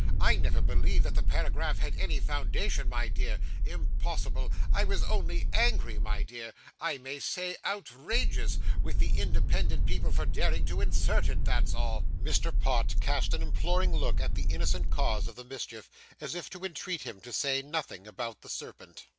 I never believed that the paragraph had any foundation, my dear impossible. I was only angry, my dear I may say outrageous with the Independent people for daring to insert it; that's all.' Mr. Pott cast an imploring look at the innocent cause of the mischief, as if to entreat him to say nothing about the serpent.